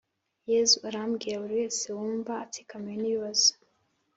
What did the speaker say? yezu arabwira buri wese wumva atsikamiwe nibibazo